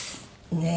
ねえ。